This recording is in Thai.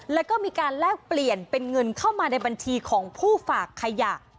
แล้วก็มีการแลกเปลี่ยนเป็นเงินเข้ามาในบัญชีของผู้ฝากขยะ